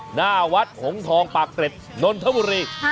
หน้าวัดหงทองปากเกร็ดนนทบุรี